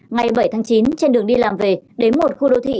ngày bảy tháng chín trên đường đi làm về đến một khu đô thị